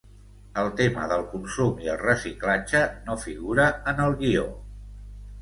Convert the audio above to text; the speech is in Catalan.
El tema del consum i el reciclatge no figura en el guió.